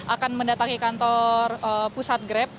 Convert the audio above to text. akan mendatangi kantor pusat grab